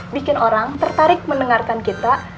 bikin orang tertarik mendengarkan kita